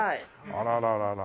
あらららら。